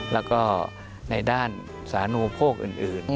แล้วก็ในด้านสานูโภคอื่น